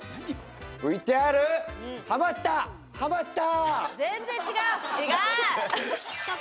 ＶＴＲハマったハマった！